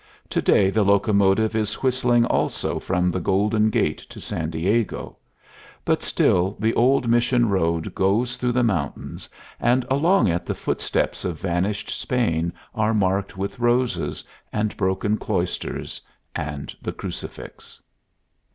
To day the locomotive is whistling also from The Golden Gate to San Diego; but still the old mission road goes through the mountains, and along it the footsteps of vanished Spain are marked with roses, and broken cloisters, and the crucifix.